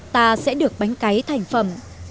ta sẽ được bánh cấy thành phẩm